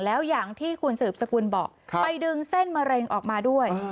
แล้วอย่างที่คุณสืบสกุลบอกไปดึงเส้นมะเร็งออกมาด้วย